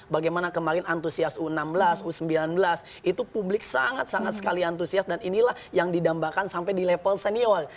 bagaimana kemarin antusias u enam belas u sembilan belas itu publik sangat sangat sekali antusias dan inilah yang didambakan sampai di level senior